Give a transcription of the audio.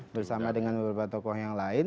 bersama dengan beberapa tokoh yang lain